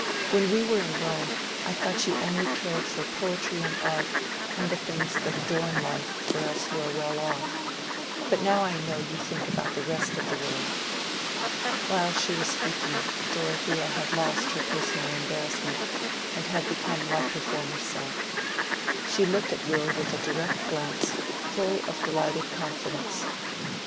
When we were in Rome, I thought you only cared for poetry and art, and the things that adorn life for us who are well off. But now I know you think about the rest of the world." While she was speaking Dorothea had lost her personal embarrassment, and had become like her former self. She looked at Will with a direct glance, full of delighted confidence.